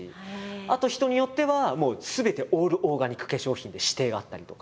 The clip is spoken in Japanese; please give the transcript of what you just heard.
あと人によってはすべてオールオーガニック化粧品で指定があったりとか。